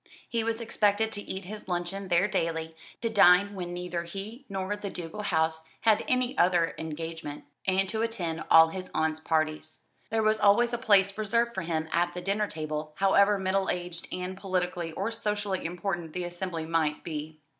He was expected to eat his luncheon there daily, to dine when neither he nor the ducal house had any other engagement, and to attend all his aunt's parties. There was always a place reserved for him at the dinner table, however middle aged and politically or socially important the assembly might me.